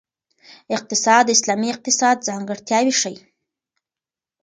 اقتصاد د اسلامي اقتصاد ځانګړتیاوې ښيي.